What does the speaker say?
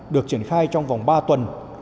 sẽ diễn ra trong vòng ba tuần